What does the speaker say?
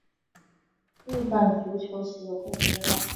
日本足球协会资料